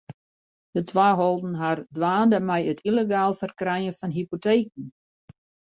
De twa holden har dwaande mei it yllegaal ferkrijen fan hypoteken.